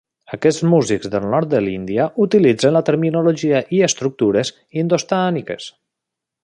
Aquests músics del nord de l'Índia utilitzen la terminologia i estructures indostàniques.